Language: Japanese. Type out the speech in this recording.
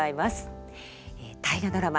大河ドラマ